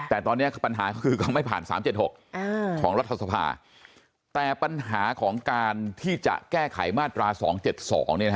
แต่ตอนนี้ปัญหาก็คือเขาไม่ผ่าน๓๗๖ของรัฐสภาแต่ปัญหาของการที่จะแก้ไขมาตรา๒๗๒